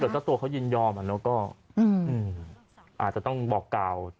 แต่เจ้าตัวเขายินยอมก็อาจจะต้องบอกกล่าว